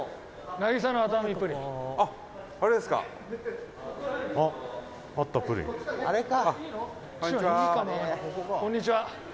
長嶋：こんにちは。